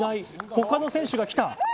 他の選手が来た。